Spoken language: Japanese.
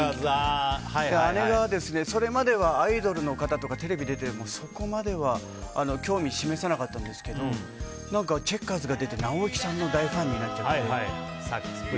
姉がそれまではアイドルの方とかテレビに出てても、そこまでは興味を示さなかったんですけどチェッカーズが出て尚之さんの大ファンになっちゃって。